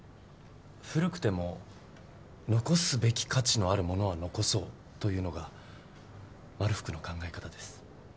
古くても残すべき価値のあるものは残そうというのがまるふくの考え方です。